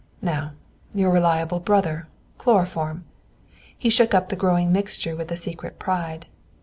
Now, your reliable brother, chloroform" He shook up the growing mixture with a secret pride.